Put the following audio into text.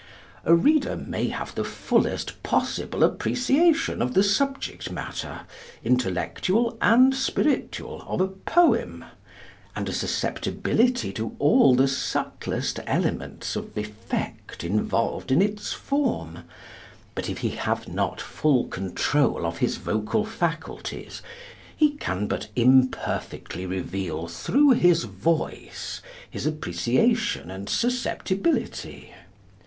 A reader may have the fullest possible appreciation of the subject matter, intellectual and spiritual, of a poem, and a susceptibility to all the subtlest elements of effect involved in its form; but if he have not full control of his vocal faculties, he can but imperfectly reveal through his voice, his appreciation and susceptibility.